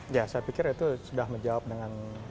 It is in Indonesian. ya saya pikir itu sudah menjawab dengan